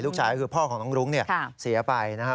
ลูกชายคือพ่อของน้องรุ้งเนี่ยเสียไปนะครับ